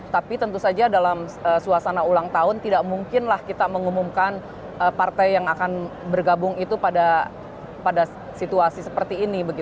tapi tentu saja dalam suasana ulang tahun tidak mungkinlah kita mengumumkan partai yang akan bergabung itu pada situasi seperti ini